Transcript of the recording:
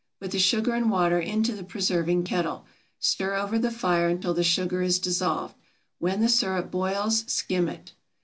Put the sugar and water into the preserving kettle. Stir over the fire until the sugar is dissolved. When the sirup boils skim it.